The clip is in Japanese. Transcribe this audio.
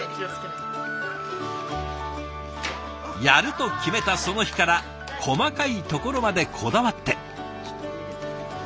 やると決めたその日から細かいところまでこだわって。